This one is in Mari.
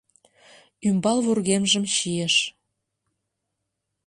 Ӱмбал вургемжым чийыш.